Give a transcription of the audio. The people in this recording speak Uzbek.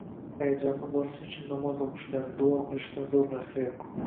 Hayajonni bosish uchun namoz o‘qishdan, duo qilishdan zo‘r narsa yo‘q.